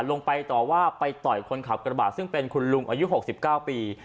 ไปต่อว่าไปต่อยคนขับกระบาดซึ่งเป็นคุณลุงอายุ๖๙ปี